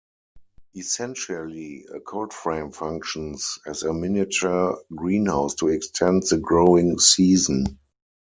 Essentially, a cold frame functions as a miniature greenhouse to extend the growing season.